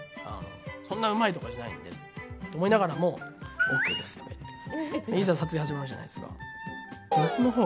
そんなうまいとかじゃないんでと思いながらもいざ撮影始まるじゃないですか。